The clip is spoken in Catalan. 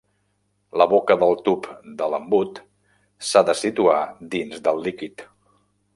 La boca del tub de l'embut s'ha de situar dins del líquid.